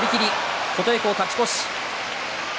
琴恵光、勝ち越し。